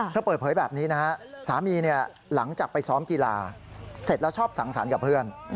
เปิดเผยแบบนี้นะฮะสามีหลังจากไปซ้อมกีฬาเสร็จแล้วชอบสังสรรค์กับเพื่อน